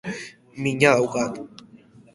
Mina daukat